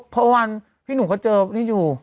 เพราะวันพี่หนุ่มก็เจอนี่อยู่